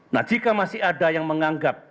nah jika masih ada yang menganggap